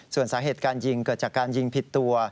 ส่วนสาเหตุการยิงเกิดจากการยิงผิดตัว